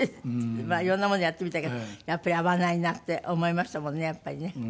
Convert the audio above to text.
いろんなものをやってみたけどやっぱり合わないなって思いましたものねやっぱりね。